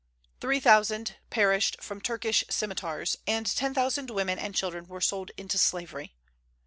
Three thousand perished from Turkish scimitars, and ten thousand women and children were sold into slavery.